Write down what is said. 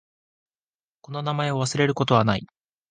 この名前を忘れることはない。